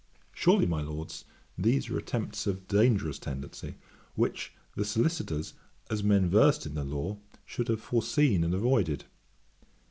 Surely, my Lords, these are attempts of dangerous tendency, which the Solicitors, as men versed in the law, should have foreseen and avoided.